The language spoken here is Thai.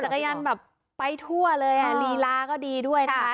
ปั่นจักรยานแบบไปทั่วเลยลีลาก็ดีด้วยนะ